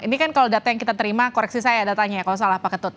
ini kan kalau data yang kita terima koreksi saya datanya ya kalau salah pak ketut